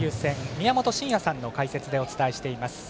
宮本慎也さんの解説でお伝えしています。